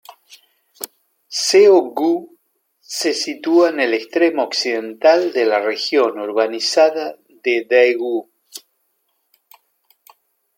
Seo-gu se sitúa en el extremo occidental de la región urbanizada de Daegu.